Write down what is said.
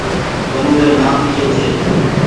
ونوري نآم ايئي ڇي